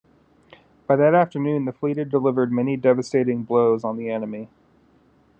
By that afternoon the fleet had delivered many devastating blows on the enemy.